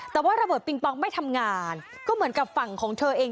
แต่ว่าระเบิดปิงปองไม่ทำงานก็เหมือนกับฝั่งของเธอเอง